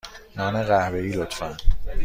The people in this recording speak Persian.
نان قهوه ای، لطفا.